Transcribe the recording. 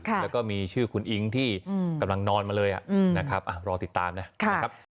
แล้วก็มีชื่อคุณอิ๊งที่กำลังนอนมาเลยนะครับรอติดตามนะครับ